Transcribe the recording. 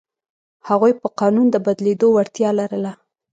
هغوی په قانون د بدلېدو وړتیا لرله.